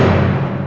hai ada tentang